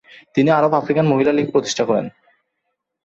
তিনি আরব-আফ্রিকান মহিলা লীগ প্রতিষ্ঠা করেন।